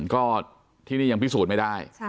ก็ที่นี่ยังพิสูจน์ไม่ได้